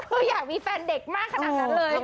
อยากมีแฟนเด็กมากขนาดนั้นเลย